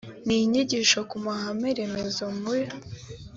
n inyigisho ku mahame remezo mu